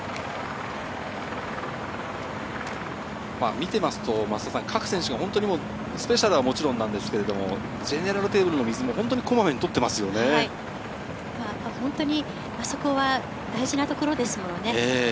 見ていますと各選手が、スペシャルはもちろんですが、ゼネラルテーブルの水もこまめにあそこは大事なところですもんね。